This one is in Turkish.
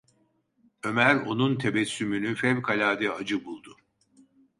Ömer onun tebessümünü fevkalade acı buldu.